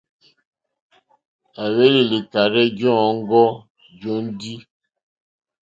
À hwélì lìkàrzɛ́ jɔǃ́ɔ́ŋɡɔ́ jóndì.